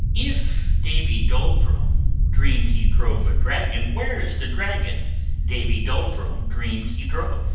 If Davy Dolldrum dream'd he drove a dragon Where's the dragon Davy Dolldrum dream'd he drove?